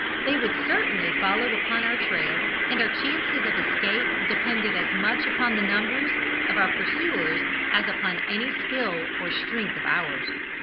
They would certainly follow upon our trail, and our chances of escape depended as much upon the numbers of our pursuers as upon any skill or strength of ours.